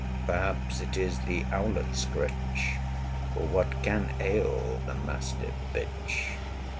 Perhaps it is the owlet's scritch: For what can ail the mastiff bitch?